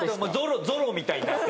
ゾロみたいになって。